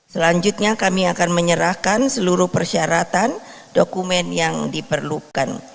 selanjutnya kami akan menyerahkan seluruh persyaratan dokumen yang diperlukan